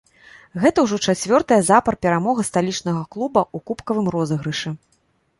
Гэта ўжо чацвёртая запар перамога сталічнага клуба ў кубкавым розыгрышы.